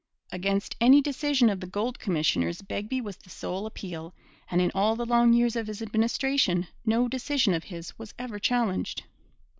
Against any decision of the gold commissioners Begbie was the sole appeal, and in all the long years of his administration no decision of his was ever challenged.